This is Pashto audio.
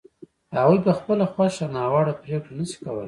هغوی په خپله خوښه ناوړه پرېکړه نه شي کولای.